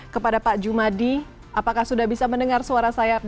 kepada pak jumaidi apakah sudah bisa mendengar suara sayangnya